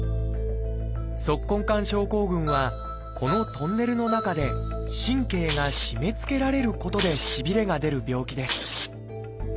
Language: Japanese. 「足根管症候群」はこのトンネルの中で神経が締めつけられることでしびれが出る病気です。